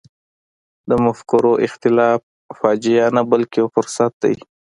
د مفکورو اختلاف فاجعه نه بلکې یو فرصت دی.